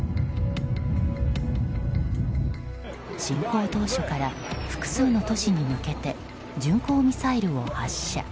侵攻当初から複数の都市に向けて巡航ミサイルを発射。